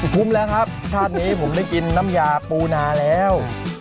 คุ้มแล้วครับชาตินี้ผมได้กินน้ำยาปูนาแล้ว